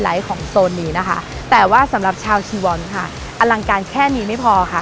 ของโซนนี้นะคะแต่ว่าสำหรับชาวชีวอนค่ะอลังการแค่นี้ไม่พอค่ะ